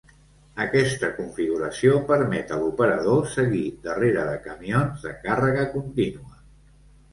Aquesta configuració permet a l'operador seguir darrere de camions de càrrega contínua.